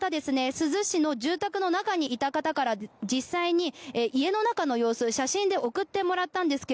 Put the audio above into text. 珠洲市の住宅の中にいた方から実際に家の中の様子写真で送ってもらったんですが